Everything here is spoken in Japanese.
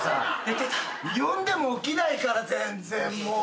呼んでも起きないから全然もう。